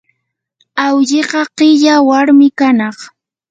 awlliqa qilla warmi kanaq.